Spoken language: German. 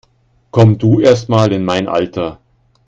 Komm du erstmal in mein Alter!